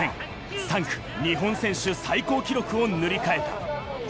３区、日本選手最高記録を塗り替えた。